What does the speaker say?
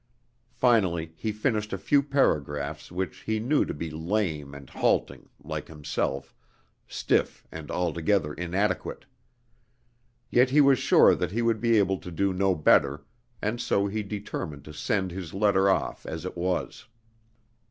Finally he finished a few paragraphs which he knew to be lame and halting, like himself, stiff and altogether inadequate. Yet he was sure that he would be able to do no better, and so he determined to send his letter off as it was.